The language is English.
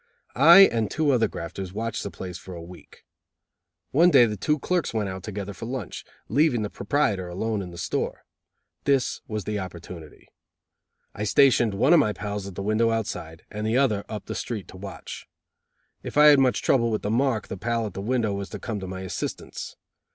I and two other grafters watched the place for a week. One day the two clerks went out together for lunch, leaving the proprietor alone in the store. This was the opportunity. I stationed one of my pals at the window outside and the other up the street to watch. If I had much trouble with "the mark" the pal at the window was to come to my assistance.